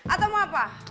atau mau apa